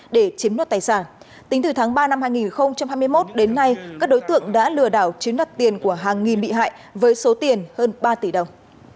để chiếm đoạt tài sản tính từ tháng ba năm hai nghìn hai mươi một đến nay các đối tượng đã lừa đảo chiếm đặt tiền của hàng nghìn bị hại với số tiền hơn ba tỷ đồng